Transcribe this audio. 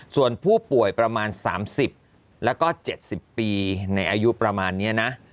ส่วนผู้ป่วยประมาณ๓๐แล้วก็๗๐ปีในอายุประมาณนี้นะ